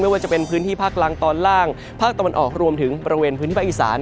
ว่าจะเป็นพื้นที่ภาคล่างตอนล่างภาคตะวันออกรวมถึงบริเวณพื้นที่ภาคอีสาน